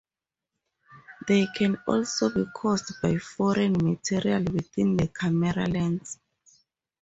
They can also be caused by foreign material within the camera lens.